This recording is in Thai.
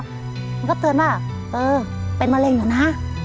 มันก็เตือนว่าเออเป็นมะเร็งอยู่นะ